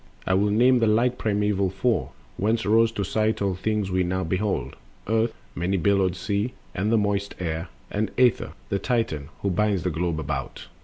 I will name the like primeval Four, Whence rose to sight all things we now behold— Earth, many billowed Sea, and the moist Air, And Aether, the Titan, who binds the globe about.